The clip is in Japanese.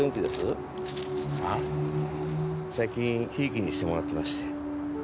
最近ひいきにしてもらってまして。